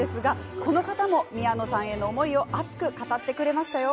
この方も宮野さんへの思いを熱く語っています。